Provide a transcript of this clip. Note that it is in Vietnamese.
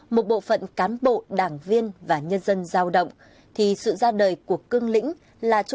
một bộ phận cám bộ đảng viên và nhân dân giao động thì sự ra đời của cường lĩnh